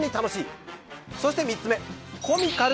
そして３つ目。